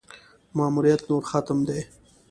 ماموریت نور ختم دی.